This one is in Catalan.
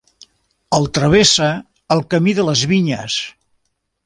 El travessa el Camí de les Vinyes.